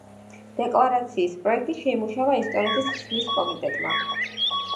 დეკლარაციის პროექტი შეიმუშავა ესტონეთის ხსნის კომიტეტმა.